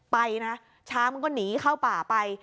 ไปนะช้างมันก็หนีเข้าป่าไป